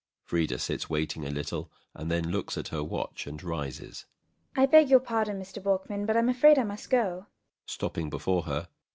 FRIDA. [Sits waiting a little, then looks at her watch and rises.] I beg your pardon, Mr. Borkman; but I am afraid I must go. BORKMAN. [Stopping before her.